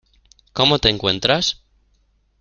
¿Cómo te encuentras?